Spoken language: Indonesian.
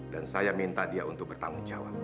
dan saya minta dia untuk bertanggung jawab